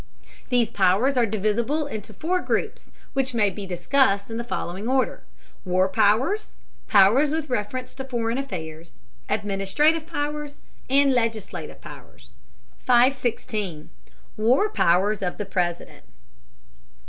These powers are divisible into four groups, which may be discussed in the following order: War powers, powers with reference to foreign affairs, administrative powers, and legislative powers. 516. WAR POWERS OF THE PRESIDENT.